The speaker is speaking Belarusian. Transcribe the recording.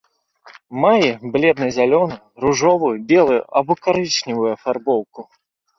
Мае бледна-зялёную, ружовую, белую або карычневую афарбоўку.